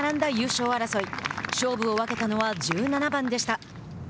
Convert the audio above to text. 勝負を分けたのは１７番でした。